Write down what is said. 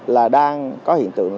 là đang có hiện tượng